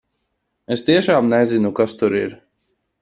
Es tiešām nezinu, kas tur ir!